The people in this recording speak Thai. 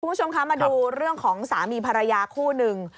คุณผู้ชมคะมาดูเรื่องของสามีภรรยาคู่หนึ่ง